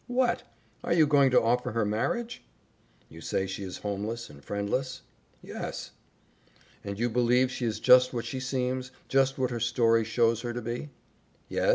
What! Are you going to offer her marriage?" "You say she is homeless and friendless?' "Yes." "And you believe she is just what she seems just what her story shows her to be?" "Yes.